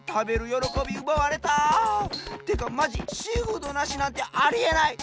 よろこびうばわれた！ってかまじシーフードなしなんてありえない！